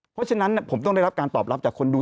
เพราะฉะนั้นผมต้องได้รับการตอบรับจากคนดู